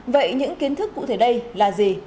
vậy những kiến thức cụ thể đây là gì